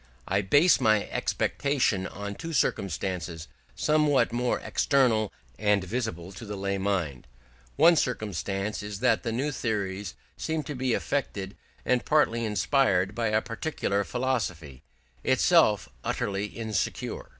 I base my expectation on two circumstances somewhat more external and visible to the lay mind. One circumstance is that the new theories seem to be affected, and partly inspired, by a particular philosophy, itself utterly insecure.